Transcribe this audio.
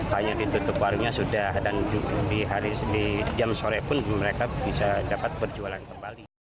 hanya ditutup warungnya sudah dan di jam sore pun mereka bisa dapat berjualan kembali